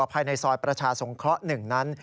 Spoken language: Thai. ภายในซอยประชาสงเคราะห์๑นั้น